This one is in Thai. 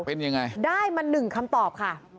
เป็นยังไงได้มาหนึ่งคำตอบค่ะ